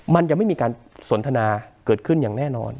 มันยังไม่มีการสนทนาเกิดขึ้นอย่างแน่นอน